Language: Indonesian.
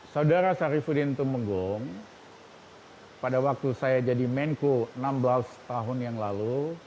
saudara syarifudin tumenggung pada waktu saya jadi menko enam belas tahun yang lalu